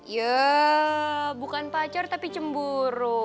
ya bukan pacar tapi cemburu